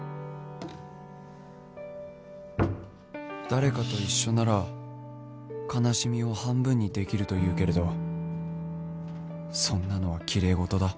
誰かと一緒なら悲しみを半分にできるというけれどそんなのは奇麗事だ